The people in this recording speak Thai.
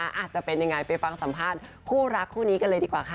อาจจะเป็นยังไงไปฟังสัมภาษณ์คู่รักคู่นี้กันเลยดีกว่าค่ะ